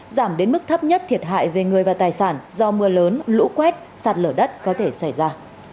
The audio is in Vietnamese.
giảm đến mức thấp nhất thiệt hại về người và tài sản do mưa lớn lũ quét sạt lở đất có thể xảy ra